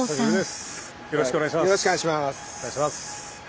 よろしくお願いします。